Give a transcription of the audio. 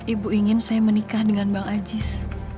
ibu ingin saya menikah dengan bang ajis